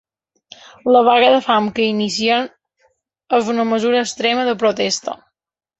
La vaga de fam que iniciem és una mesura extrema de protesta.